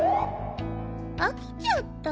あきちゃった。